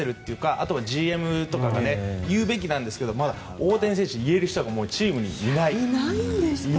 あとはＧＭとかが言うべきなんですけど大谷選手に言える人がチームにいないんです。